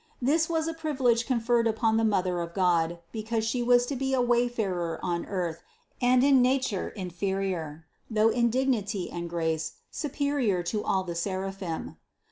This was a privilege conferred upon the Mother of God be cause She was to be a wayfarer on earth and in nature inferior, though in dignity and grace, superior to all the seraphim.